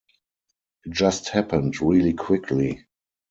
It just happened really quickly.